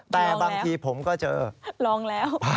แต่บางทีผมก็เจอลองแล้ว